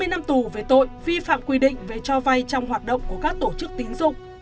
hai mươi năm tù về tội vi phạm quy định về cho vay trong hoạt động của các tổ chức tín dụng